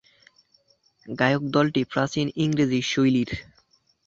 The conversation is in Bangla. গায়কদলটি প্রাচীন ইংরেজি শৈলীর।